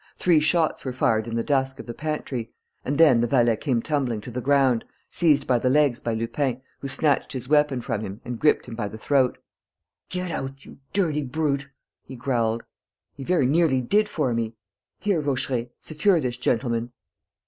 Three shots were fired in the dusk of the pantry; and then the valet came tumbling to the ground, seized by the legs by Lupin, who snatched his weapon from him and gripped him by the throat: "Get out, you dirty brute!" he growled. "He very nearly did for me.... Here, Vaucheray, secure this gentleman!"